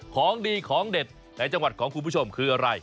ของดีของเด็ดในจังหวัดของคุณผู้ชมคืออะไร